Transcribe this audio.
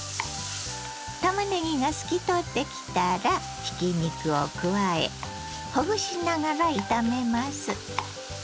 たまねぎが透き通ってきたらひき肉を加えほぐしながら炒めます。